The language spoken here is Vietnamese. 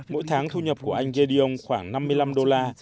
mỗi tháng thu nhập của anh gerdyong khoảng năm mươi năm đô la